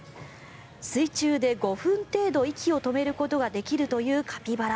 水中で５分程度息を止めることができるというカピバラ。